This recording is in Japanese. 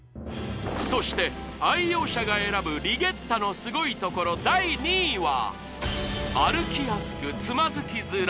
そして愛用者が選ぶリゲッタのすごいところ第２位は！